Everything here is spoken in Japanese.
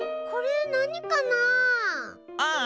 これなにかなあ？